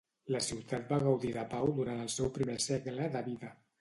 La ciutat va gaudir de pau durant el seu primer segle de vida.